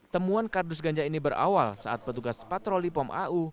temuan kardus ganja ini berawal saat petugas patroli pom au